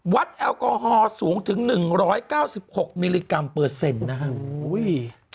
แอลกอฮอลสูงถึง๑๙๖มิลลิกรัมเปอร์เซ็นต์นะครับ